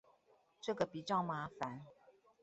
這個比較麻煩